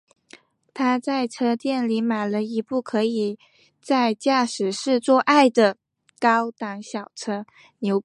他在车店里买了一部可以在驾驶室做爱的高档小车。